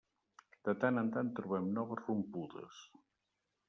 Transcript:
De tant en tant trobem noves rompudes.